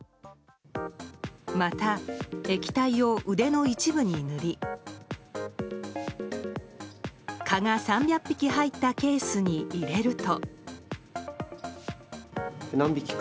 また、液体を腕の一部に塗り蚊が３００匹入ったケースに入れると。